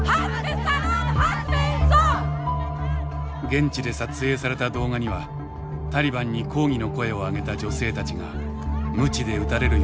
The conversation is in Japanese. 現地で撮影された動画にはタリバンに抗議の声を上げた女性たちがムチで打たれる様子も映し出されていた。